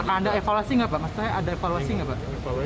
ada evaluasi nggak pak maksudnya ada evaluasi nggak pak